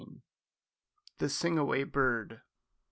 THE SING AWAY BIRD.